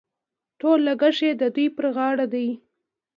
ټول لګښت یې د دوی پر غاړه دي.